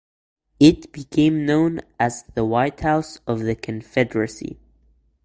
It became known as the White House of the Confederacy.